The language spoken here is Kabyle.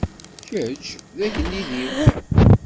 Kečč d agellid-iw.